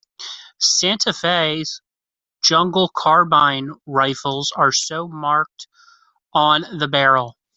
Santa Fe "Jungle Carbine" rifles are so marked on the barrel.